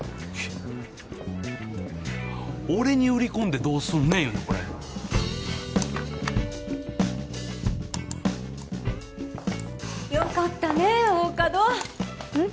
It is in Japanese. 俺に売り込んでどうすんねんゆうねんこれよかったね大加戸うん？